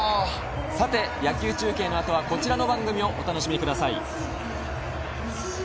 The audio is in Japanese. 野球中継の後は、こちらの番組をお楽しみください。